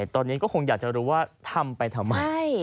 ตอนนี้ก็คงอยากจะรู้ว่าทำไปทำไม